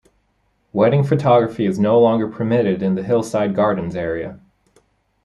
Wedding photography is no longer permitted in the hillside gardens area.